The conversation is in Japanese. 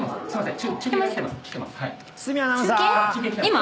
今？